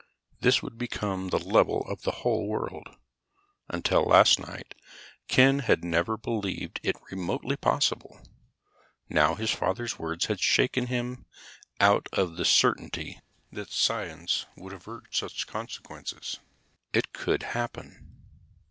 This would become the level of the whole world. Until last night, Ken had never believed it remotely possible. Now, his father's words had shaken him out of the certainty that science would avert such consequences. It could happen.